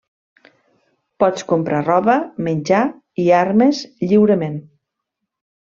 Pots comprar roba, menjar i armes lliurement.